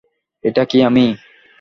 এটা কি আমি?